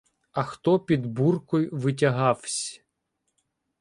А хто під буркой витягавсь.